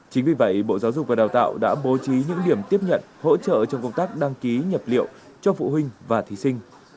chính vì vậy bộ giáo dục và đào tạo đã bố trí những điểm tiếp nhận hỗ trợ trong công tác đăng ký nhập liệu cho phụ huynh và thí sinh